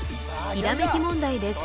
ひらめき問題です